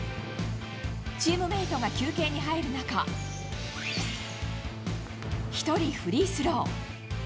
チームメートが休憩に入る中、一人フリースロー。